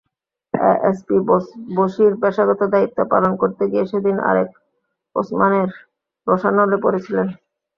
ASP Basir পেশাগত দায়িত্ব পালন করতে গিয়ে সেদিন আরেক ওসমানের রোষানলে পড়েছিলেন।